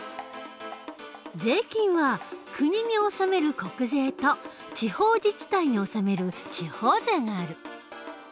税金は国に納める国税と地方自治体に納める地方税がある。